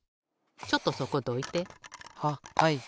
ちょっとそこどいて。ははい。